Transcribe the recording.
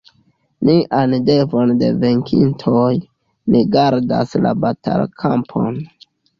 Nian devon de venkintoj: ni gardas la batalkampon!